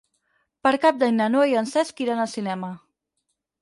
Per Cap d'Any na Noa i en Cesc iran al cinema.